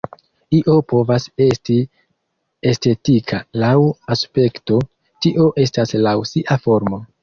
Io povas esti estetika laŭ aspekto, tio estas laŭ sia formo.